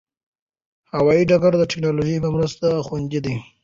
هوايي ډګرونه د ټکنالوژۍ په مرسته خوندي دي.